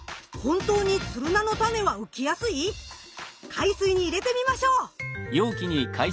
海水に入れてみましょう！